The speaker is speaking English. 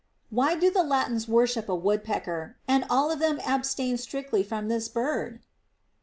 Why do the Latins worship a wood pecker, and all of them abstain strictly from this bird?